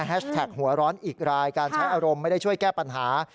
หัวร้อนอีกรายการใช้อารมณ์ไม่ได้ช่วยแก้ปัญหา